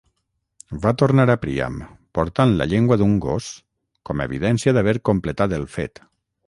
Va tornar a Priam portant la llengua d'un gos com evidència d'haver completat el fet.